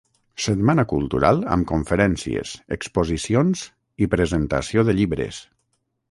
Setmana Cultural amb conferències, exposicions i presentació de llibres.